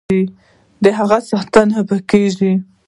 د هغه ستاينه به کېږي.